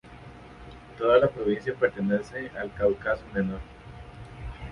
Toda la provincia pertenece al Cáucaso Menor.